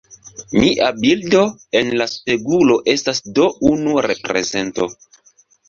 Mia bildo en la spegulo estas do un reprezento.